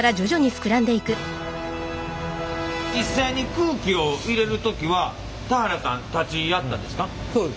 実際に空気を入れる時は田原さん立ち会ったんですか？